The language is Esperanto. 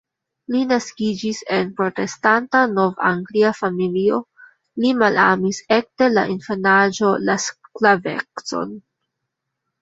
Li naskiĝis en protestanta nov-anglia familio, li malamis ekde la infanaĝo la sklavecon.